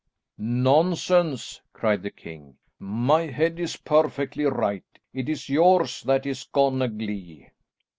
"Nonsense," cried the king, "my head is perfectly right; it is yours that is gone aglee."